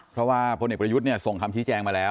เพราะว่าพนิตปุริยุทธเนี่ยส่งคำชี้แจ้งมาแล้ว